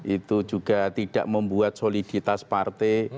itu juga tidak membuat soliditas partai